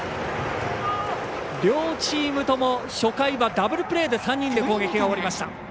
両チームとも初回はダブルプレーで３人で攻撃が終わりました。